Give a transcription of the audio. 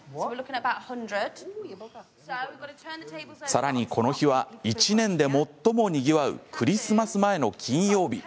さらに、この日は１年で最もにぎわうクリスマス前の金曜日。